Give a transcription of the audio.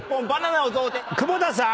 久保田さん！